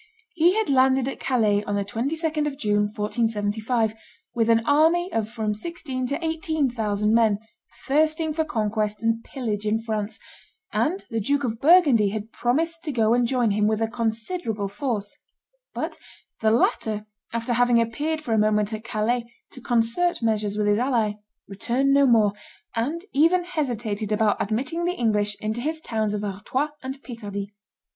He had landed at Calais on the 22d of June, 1475, with an army of from sixteen to eighteen thousand men thirsting for conquest and pillage in France, and the Duke of Burgundy had promised to go and join him with a considerable force; but the latter, after having appeared for a moment at Calais to concert measures with his ally, returned no more, and even hesitated about admitting the English into his towns of Artois and Picardy.